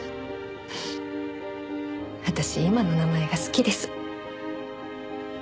私今の名前が好きです。